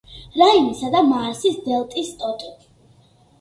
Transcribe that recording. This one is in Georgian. რაინისა და მაასის დელტის ტოტი.